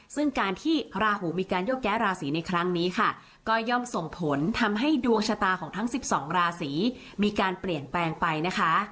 ซึ่งการที่ราหูมีการโยกย้ายราศีในครั้งนี้ค่ะก็ย่อมส่งผลทำให้ดวงชะตาของทั้ง๑๒ราศีมีการเปลี่ยนแปลงไปนะคะ